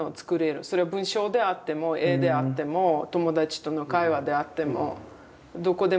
それは文章であっても絵であっても友達との会話であってもどこでもいいです。